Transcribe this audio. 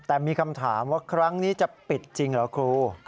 แต่มีคำถามว่าครั้งนี้จะปิดจริงเหรอครู